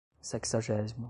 sexagésimo